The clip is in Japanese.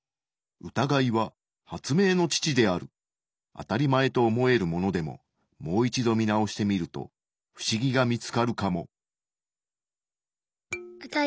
あたりまえと思えるものでももう一度見直してみるとフシギが見つかるかも。